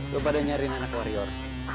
gue pada nyari anak warrior